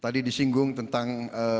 tadi disinggung tentang